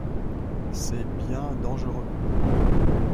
C’est bien dangereux !